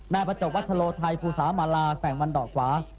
นายประจกวัชโรไทยภูสามาลาแกว่งวันดอกซ้าย